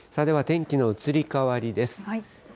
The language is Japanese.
では天気の移り変わりです。